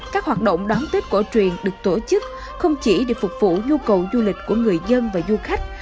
các hoạt động đón tết cổ truyền được tổ chức không chỉ để phục vụ nhu cầu du lịch của người dân và du khách